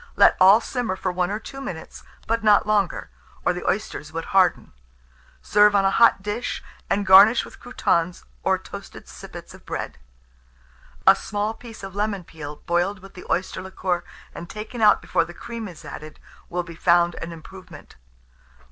Let all simmer for 1 or 2 minutes, but not longer, or the oysters would harden. Serve on a hot dish, and garnish with croutons, or toasted sippets of bread. A small piece of lemon peel boiled with the oyster liquor, and taken out before the cream is added, will be found an improvement.